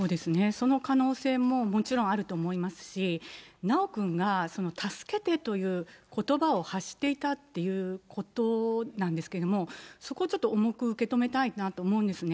その可能性ももちろんあると思いますし、修くんが助けてということばを発していたということなんですけれども、そこちょっと重く受け止めたいなと思うんですね。